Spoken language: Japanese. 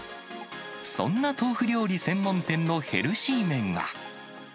そんな豆腐料理専門店のヘルシー麺は。